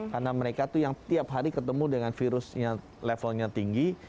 karena mereka itu yang tiap hari ketemu dengan virusnya levelnya tinggi